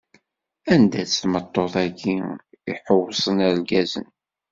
Anda-tt tmeṭṭut-agi i iḥewwṣen irgazen?